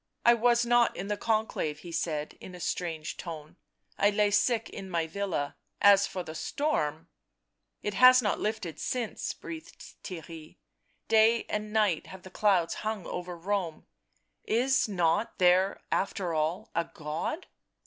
" I was not in the Conclave," he said in a strange tone. " I lay sick in my villa — as for the storm " "It has not lifted since," breathed Theirry; "day and night have the clouds hung over Rome — is not there, after all, a God